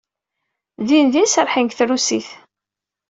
Dindin serrḥen deg trusit.